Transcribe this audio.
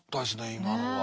今のは。